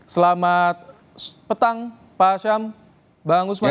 selamat petang pak syam bang usman